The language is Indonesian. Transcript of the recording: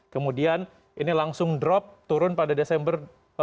kemudian ini langsung drop turun pada desember